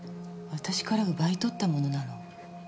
私から奪い取ったものなの。